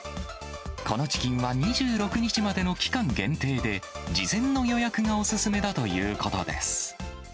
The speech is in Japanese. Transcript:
このチキンは２６日までの期間限定で、事前の予約がお勧めだということです。